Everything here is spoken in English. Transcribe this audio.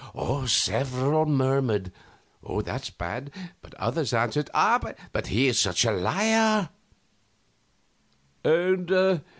Several murmured, "That looks bad," but others answered, "Ah, but he is such a liar!"